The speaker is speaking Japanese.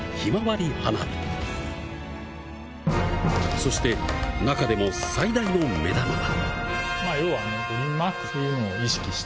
そしてなかでも最大の目玉が。